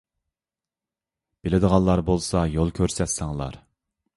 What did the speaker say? بىلىدىغانلار بولسا يول كۆرسەتسەڭلار.